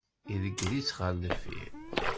Idegger-itt ɣer deffir.